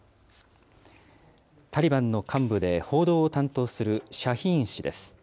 タリバンの幹部で報道を担当するシャヒーン氏です。